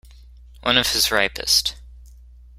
One of his ripest.